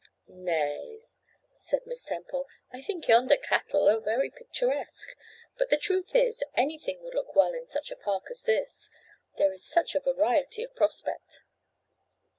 'Nay!' said Miss Temple, 'I think yonder cattle are very picturesque. But the truth is, anything would look well in such a park as this. There is such a variety of prospect.